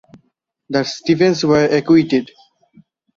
The Stephans were acquitted.